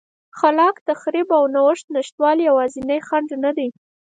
خلاق تخریب او نوښتونو نشتوالی یوازینی خنډ نه دی